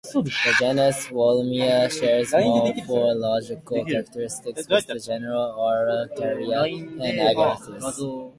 The genus "Wollemia" shares morphological characteristics with the genera "Araucaria" and "Agathis".